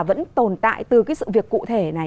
vẫn tồn tại từ sự việc cụ thể này